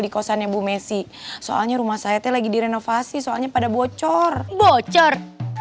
di kosannya bu messi soalnya rumah saya lagi direnovasi soalnya pada bocor bocor